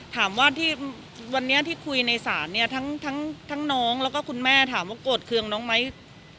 ถามว่าวันนี้ที่คุยในสารเนี่ยทั้งน้องแล้วก็คุณแม่ถามว่าโกรธเครื่องน้องไม้ทั้งสอง